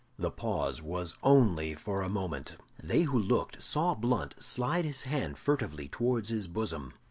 The pause was only for a moment. They who looked saw Blunt slide his hand furtively towards his bosom.